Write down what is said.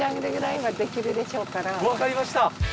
わかりました。